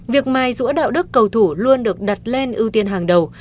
việc mài rũa đạo đức cầu thủ luôn được đặt lên ưu tiên hàng đầu